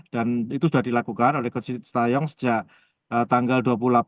dan itu sudah dilakukan oleh coach sinteyo sejak tanggal dua puluh delapan